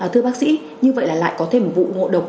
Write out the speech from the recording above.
thưa bác sĩ như vậy là lại có thêm một vụ ngộ độc